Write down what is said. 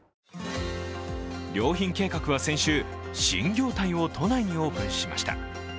良品計画は先週新業態を都内にオープンしました。